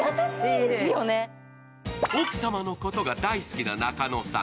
奥様のことが大好きな中野さん。